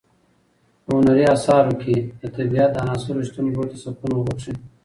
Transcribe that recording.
په هنري اثارو کې د طبیعت د عناصرو شتون روح ته سکون بښي.